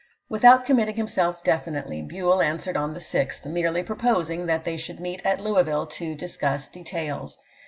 " Without committing himself definitely, Buell an swered on the 6th, merely proposing that they should meet at Louisville to discuss details.